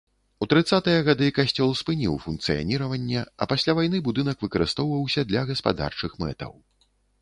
У трыццатыя гады касцёл спыніў функцыяніраванне, а пасля вайны будынак выкарыстоўваўся для гаспадарчых мэтаў.